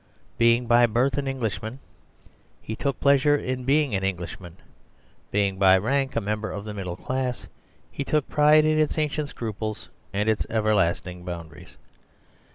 Being by birth an Englishman, he took pleasure in being an Englishman; being by rank a member of the middle class, he took a pride in its ancient scruples and its everlasting boundaries.